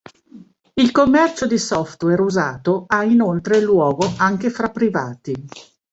Il commercio di software usato ha inoltre luogo anche fra privati.